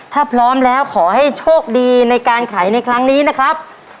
ถ้าพร้อมแล้วขอให้โชคดีในการขายในครั้งนี้นะครับ